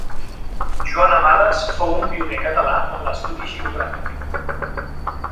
Joan Amades fou un pioner català en l'estudi xilogràfic.